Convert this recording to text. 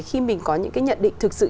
khi mình có những cái nhận định thực sự